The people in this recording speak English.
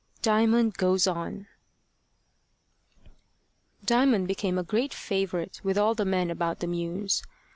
DIAMOND GOES ON DIAMOND became a great favourite with all the men about the mews.